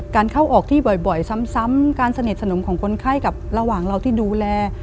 เข้าออกที่บ่อยซ้ำการสนิทสนมของคนไข้กับระหว่างเราที่ดูแล